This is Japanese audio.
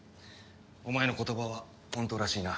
お前の言葉は本当らしいな。